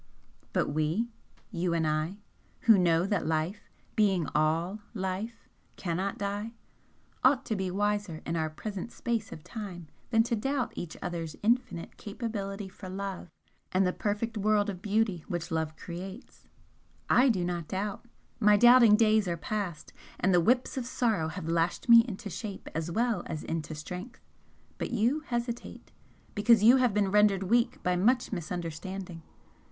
But we you and I who know that life, being ALL Life, CANNOT die, ought to be wiser in our present space of time than to doubt each other's infinite capability for love and the perfect world of beauty which love creates. I do not doubt my doubting days are past, and the whips of sorrow have lashed me into shape as well as into strength, but YOU hesitate, because you have been rendered weak by much misunderstanding.